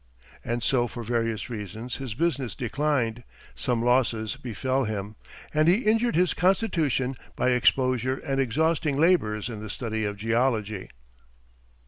And so, for various reasons, his business declined; some losses befell him; and he injured his constitution by exposure and exhausting labors in the study of geology.